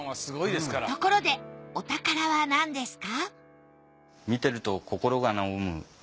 ところでお宝はなんですか？